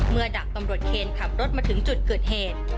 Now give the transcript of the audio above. ดาบตำรวจเคนขับรถมาถึงจุดเกิดเหตุ